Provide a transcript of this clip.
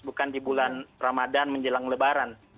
bukan di bulan ramadan menjelang lebaran